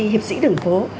hiệp sĩ đường phố